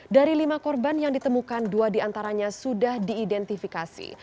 dari lima korban yang ditemukan dua diantaranya sudah diidentifikasi